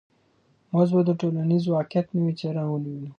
موږ به د ټولنیز واقعیت نوې څېره ووینو.